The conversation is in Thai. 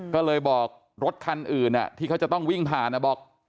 ก็เลยบอกรถคันอื่นที่เขาจะต้องวิ่งผ่านบอก